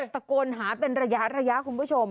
ตะโกนหาเป็นระยะคุณผู้ชม